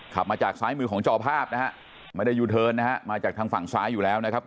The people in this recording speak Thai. ขับมาจากซ้ายมือของจอภาพนะฮะไม่ได้ยูเทิร์นนะฮะมาจากทางฝั่งซ้ายอยู่แล้วนะครับ